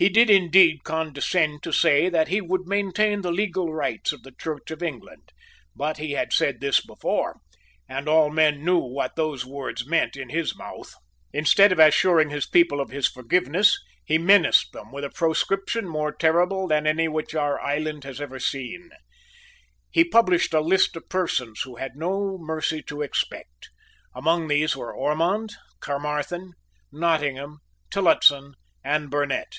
He did indeed condescend to say that he would maintain the legal rights of the Church of England; but he had said this before; and all men knew what those words meant in his mouth. Instead of assuring his people of his forgiveness, he menaced them with a proscription more terrible than any which our island had ever seen. He published a list of persons who had no mercy to expect. Among these were Ormond, Caermarthen, Nottingham, Tillotson and Burnet.